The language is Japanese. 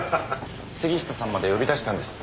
杉下さんまで呼び出したんです。